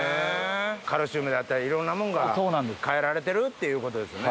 カルシウムだったりいろんなものが変えられてるっていうことですよね。